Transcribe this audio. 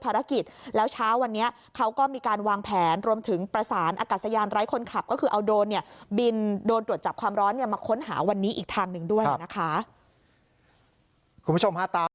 ภารกิจแล้วเช้าวันนี้เขาก็มีการวางแผนรวมถึงประสานอากาศยานไร้คนขับก็คือเอาโดรนเนี่ยบินโดรนตรวจจับความร้อนเนี่ยมาค้นหาวันนี้อีกทางหนึ่งด้วยนะคะคุณผู้ชมฮะตาม